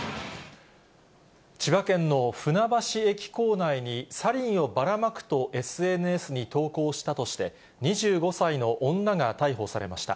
千葉県の船橋駅構内に、サリンをばらまくとＳＮＳに投稿したとして、２５歳の女が逮捕されました。